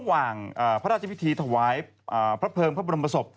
ระหว่างพระราชพิธีถวายพระเพลิงพระบรมศพ